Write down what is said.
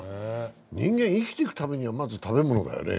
人間、生きていくためにはまず食べ物だよね。